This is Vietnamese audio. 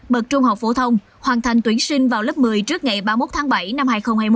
bậc trung học phổ thông hoàn thành tuyển sinh vào lớp một mươi trước ngày ba mươi một tháng bảy năm hai nghìn hai mươi một